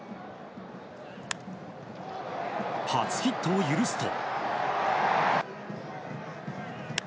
初ヒットを許すと。